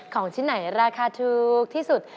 ของชิ้นไหนราคาถูกที่สุด